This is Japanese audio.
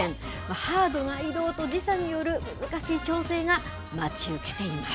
ハードな移動と時差による難しい調整が待ち受けています。